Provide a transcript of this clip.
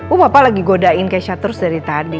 oh papa lagi godain kesya terus dari tadi